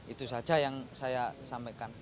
itu saja yang saya sampaikan